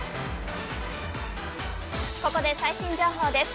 ここで最新情報です。